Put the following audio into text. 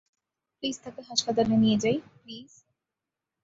Please, তাকে হাসপাতালে নিয়ে যাই, প্লিজ?